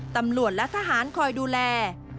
ตำรวจและทหารคอยดูแล